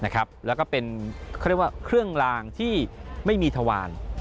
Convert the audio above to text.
เขาเรียกว่าเป็นเครื่องรางที่ไม่มีถวาน